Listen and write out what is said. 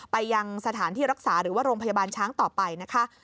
ไปยังสถานที่รักษาหรือว่าโรงพยาบาลช้างต่อไปนะคะ